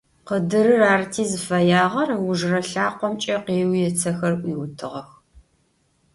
Къыдырыр арыти зыфэягъэр, ыужырэ лъакъомкӀэ къеуи, ыцэхэр Ӏуиутыгъэх.